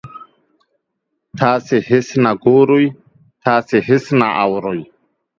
تاسو هیڅ نه ګورئ، تاسو هیڅ نه اورئ